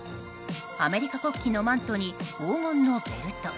アメリカ国旗のマントに黄金のベルト。